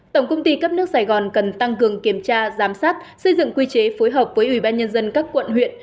tổng công ty cấp nước sài gòn cần tăng cường kiểm tra giám sát xây dựng quy chế phối hợp với ủy ban nhân dân các quận huyện